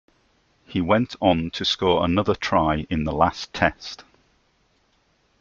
He went on to score another try in the last Test.